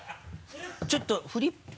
ちょっとフリップ。